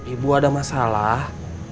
ibu ada masalah